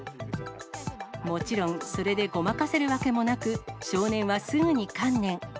もちろん、それでごまかせるわけもなく、少年はすぐに観念。